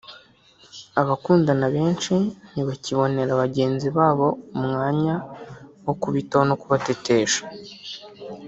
abakundana benshi ntibakibonera bagenzi babo umwanya wo kubitaho no kubatetesha